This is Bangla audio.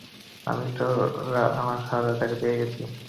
আমি তো আমার শাহজাদা পেয়ে গেছি।